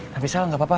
tapi salah gapapa